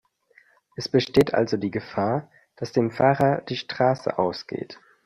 Es besteht also die Gefahr, dass dem Fahrer „die Straße ausgeht“.